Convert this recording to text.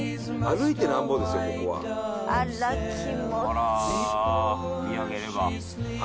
あら見上げれば。